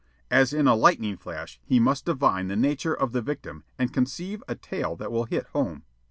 As in a lightning flash he must divine the nature of the victim and conceive a tale that will hit home.